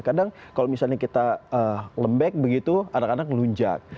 kadang kalau misalnya kita lembek begitu anak anak melunjak